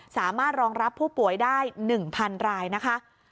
สามารถรองรับผู้ป่วยได้๑๐๐๐รายนะคะ